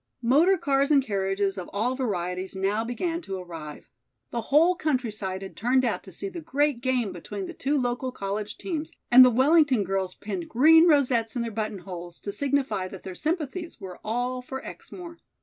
Motor cars and carriages of all varieties now began to arrive. The whole countryside had turned out to see the great game between the two local college teams, and the Wellington girls pinned green rosettes in their buttonholes to signify that their sympathies were all for Exmoor.